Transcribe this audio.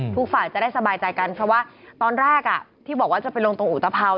ทุกฝ่ายจะได้สบายใจกันเพราะว่าตอนแรกที่บอกว่าจะไปลงตรงอุตภาว